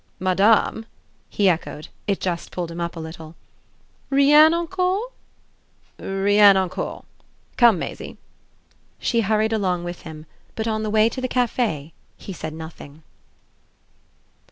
"_ "Madame?" he echoed it just pulled him up a little. "Rien encore?" "Rien encore. Come, Maisie." She hurried along with him, but on the way to the café he said nothing.